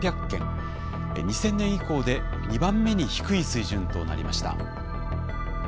２０００年以降で２番目に低い水準となりました。